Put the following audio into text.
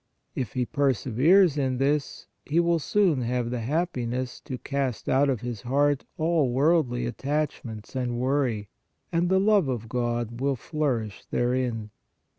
If he perseveres in this, he will soon have the happiness to cast out of his heart all worldly attachments and worry, and the love of God will flourish therein."